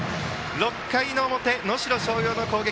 ６回表、能代松陽の攻撃。